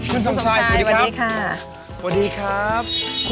คุณสมชายสวัสดีครับสวัสดีครับ